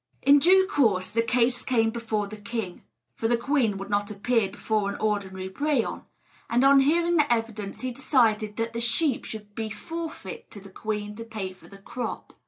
In due course the case came before the king (for the queen would not appear before an ordinary brehon), and on hearing the evidence he decided that the sheep should be forfeit to the queen to pay for the crop.